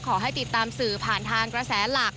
ขอให้ติดตามสื่อผ่านทางกระแสหลัก